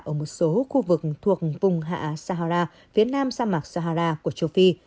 ở một số khu vực thuộc vùng hạ sahara phía nam sa mạc sahara của châu phi